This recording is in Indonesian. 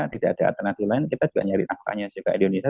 tidak ada atas nasi lain kita juga nyari nafkahnya juga di indonesia